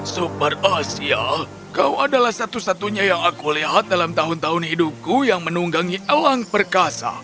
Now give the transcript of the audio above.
super asia kau adalah satu satunya yang aku lihat dalam tahun tahun hidupku yang menunggangi elang perkasa